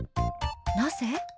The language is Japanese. なぜ？